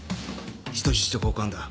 人質と交換だ。